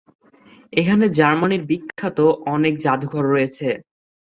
এখানে জার্মানির বিখ্যাত অনেক জাদুঘর রয়েছে।